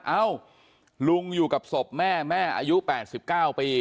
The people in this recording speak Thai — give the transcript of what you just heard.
เอ้าลุงอยู่กับศพแม่แม่อายุ๘๙ปี